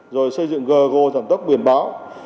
rồi xây dựng ggo thẩm tốc biển báo